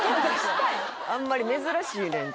あんまり珍しいねんて